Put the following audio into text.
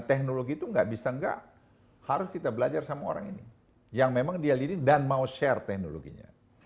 teknologi itu gak bisa enggak harus kita belajar sama orang yang memang dia diri dan mau share teknologinya